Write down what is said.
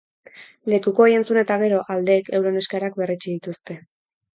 Lekukoei entzun eta gero, aldeek euren eskaerak berretsi dituzte.